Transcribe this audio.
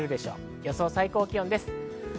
予想最高気温です。